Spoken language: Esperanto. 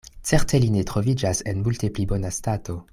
Certe li ne troviĝas en multe pli bona stato.